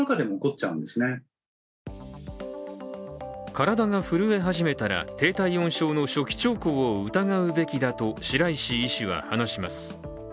体が震え始めたら低体温症の初期兆候を疑うべきだと白石医師は話します。